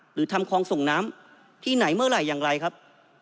หรือทำคลองส่งน้ำที่ไหนเมื่อไหร่อย่างไรครับ